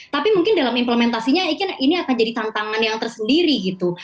tapi mungkin dalam implementasinya ini akan jadi tantangan yang tersendiri gitu